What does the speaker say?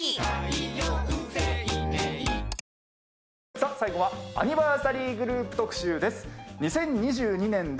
さあ最後はアニバーサリーグループ特集です。